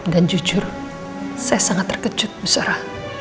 dan jujur saya sangat terkejut bu sara